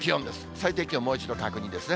最低気温、もう一度確認ですね。